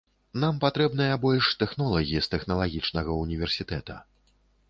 Нам патрэбныя больш тэхнолагі з тэхналагічнага ўніверсітэта.